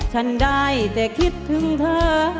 ฉันได้แต่คิดถึงเธอ